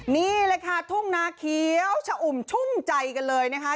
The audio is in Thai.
นี่เลยค่ะทุ่งนาเขียวชะอุ่มชุ่มใจกันเลยนะคะ